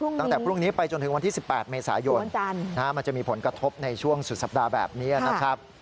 ตั้งแต่พรุ่งนี้ไปจนถึงวันที่๑๘เมษายนมันจะมีผลกระทบในช่วงสุดสัปดาห์แบบนี้นะครับ